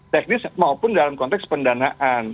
teknis maupun dalam konteks pendanaan